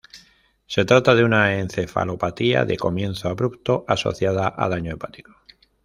Se trata de una encefalopatía de comienzo abrupto asociado a daño hepático.